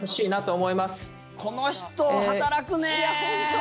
この人、働くねー！